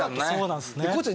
そうなんですね。